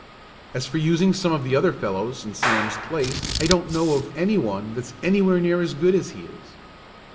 As for using some of the other fellows in Sam's place, I don't know of any one that's anywhere near as good as he is."